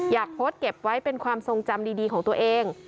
โพสต์เก็บไว้เป็นความทรงจำดีของตัวเอง